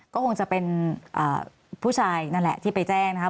ก็คงจะเป็นผู้ชายนั่นแหละที่ไปแจ้งนะครับ